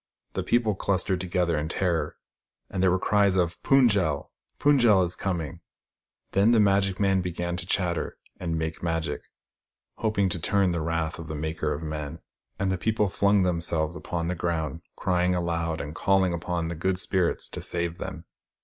The people clustered together, in terror, and there were cries of " Fund j el ! Fund j el is coming !" Then the magic men began to chatter and make Magic, hoping to turn the wrath of the Maker of Men ; and the people flung themselves upon the ground, crying aloud, and calling upon the good Spirits to save them.